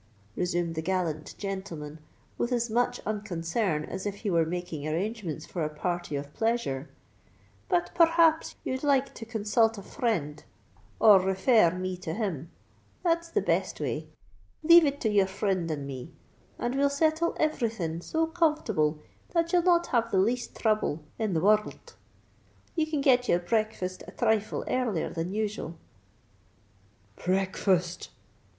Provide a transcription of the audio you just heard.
resumed the gallant gentleman with as much unconcern as if he were making arrangements for a party of pleasure. "But per rhaps ye'd like to consult a frind—or refer r me to him. That's the best way! Leave it to your frind and me; and we'll settle everything so comfortable that you'll not have the least throuble in the wor rld. You can get your breakfast a thrifle earlier than usual——" "Breakfast!"